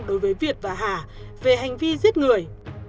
đối với việt và hà về hành vi giết người